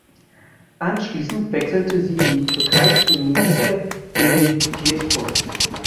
Anschließend wechselte sie in die Türkei zu Nilüfer Belediyespor.